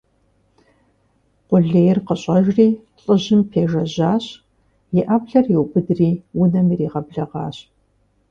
Къулейр къыщӀэжри лӀыжьым пежэжьащ, и Ӏэблэр иубыдри унэм иригъэблэгъащ.